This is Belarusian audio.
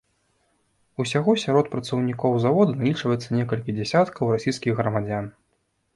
Усяго сярод працаўнікоў завода налічваецца некалькі дзесяткаў расійскіх грамадзян.